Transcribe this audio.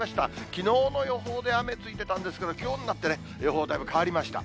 きのうの予報で雨ついてたんですけど、きょうになって予報だいぶ変わりました。